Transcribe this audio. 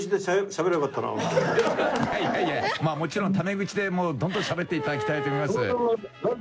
「いやいやまあもちろんタメ口でどんどんしゃべって頂きたいと思います」